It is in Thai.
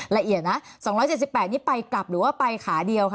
ละเอียดนะสองร้อยเจ็ดสิบแปดนี่ไปกลับหรือว่าไปขาเดียวคะ